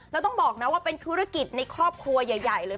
แล้วต้องบอกนะว่าเป็นธุรกิจในครอบครัวใหญ่เลย